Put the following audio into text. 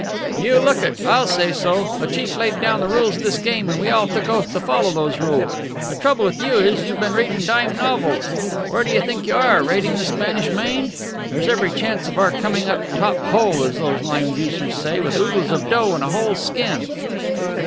"You look it! I'll say so! The chief laid down the rules of this game, and we all took oath to follow those rules. The trouble with you is, you've been reading dime novels. Where do you think you are raiding the Spanish Main? There's every chance of our coming out top hole, as those lime juicers say, with oodles of dough and a whole skin."